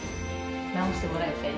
直してもらいたい？